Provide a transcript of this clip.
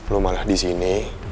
lo malah disini